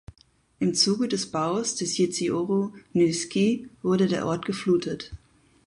Im Zuge des Baus des Jezioro Nyskie wurde der Ort geflutet.